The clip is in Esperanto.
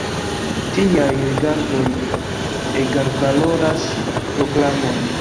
Tiaj rigardoj egalvaloras proklamon.